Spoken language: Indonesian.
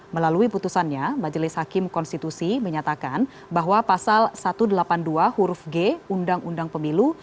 melalui putusannya majelis hakim konstitusi menyatakan bahwa pasal satu ratus delapan puluh dua huruf g undang undang pemilu